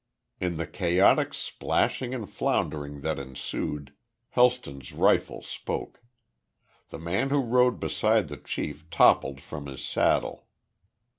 In the chaotic splashing and floundering that ensued, Helston's rifle spoke. The man who rode beside the chief toppled from his saddle.